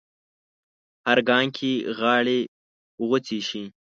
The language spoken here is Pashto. هر ګام کې غاړې غوڅې شي